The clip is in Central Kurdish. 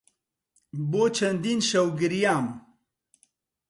بۆ چەندین شەو گریام.